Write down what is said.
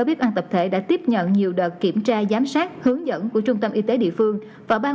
phụ huynh đã tiếp nhận nhiều đợt kiểm tra giám sát hướng dẫn của trung tâm y tế địa phương và ban